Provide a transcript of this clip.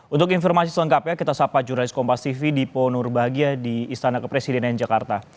untuk informasi selengkapnya kita sapa jurnalis kompas tv dipo nurbahagia di istana kepresidenan jakarta